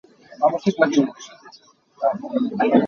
Na hnap cu mi na neh hna lai lo.